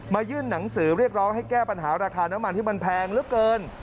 ยื่นหนังสือเรียกร้องให้แก้ปัญหาราคาน้ำมันที่มันแพงเหลือเกิน